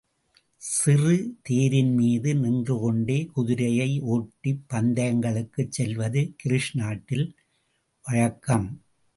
சிறு தேரின்மீது நின்றுகொண்டே குதிரையை ஓட்டிப் பந்தயங்களுக்குச் செல்வது கிரீஸ் நாட்டில் வழக்கம்.